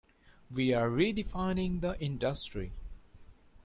We are redefining the industry.